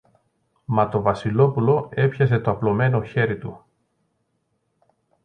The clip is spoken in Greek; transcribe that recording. Μα το Βασιλόπουλο έπιασε το απλωμένο χέρι του.